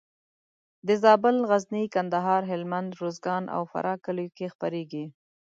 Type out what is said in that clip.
د زابل، غزني، کندهار، هلمند، روزګان او فراه کلیو کې خپرېږي.